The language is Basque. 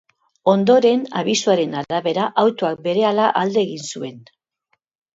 Ondoren, abisuaren arabera, autoak berehala alde egin zuen.